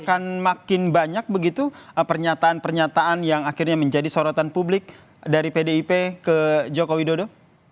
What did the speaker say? akan makin banyak begitu pernyataan pernyataan yang akhirnya menjadi sorotan publik dari pdip ke joko widodo